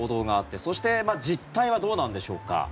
そして実態はどうなんでしょうか。